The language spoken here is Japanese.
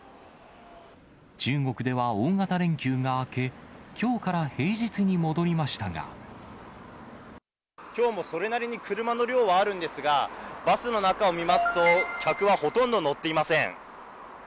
中国では大型連休が明け、きょうもそれなりに車の量はあるんですが、バスの中を見ますと、客はほとんど乗っていません。